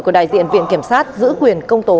của đại diện viện kiểm sát giữ quyền công tố